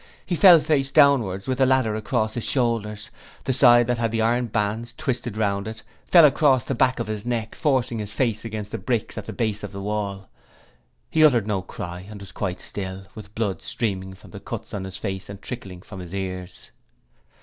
He fell face downwards, with the ladder across his shoulders; the side that had the iron bands twisted round it fell across the back of his neck, forcing his face against the bricks at the base of the wall. He uttered no cry and was quite still, with blood streaming from the cuts on his face and trickling from his ears.